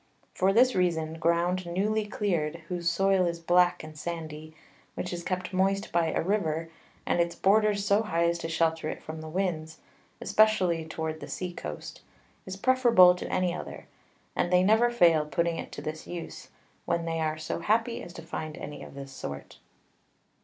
For this reason, Ground newly cleared, whose Soil is black and sandy, which is kept moist by a River, and its Borders so high as to shelter it from the Winds, especially towards the Sea Coast, is preferable to any other; and they never fail putting it to this Use, when they are so happy as to find any of this sort.